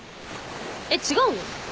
えっ違うの？